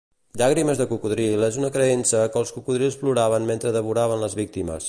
Llàgrimes de cocodril és una creença que els cocodrils ploraven mentre devoraven les víctimes